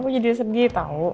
aku jadi sedih tau